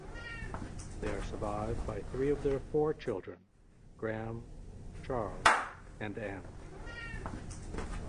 They are survived by three of their four children, Graham, Charles, and Ann.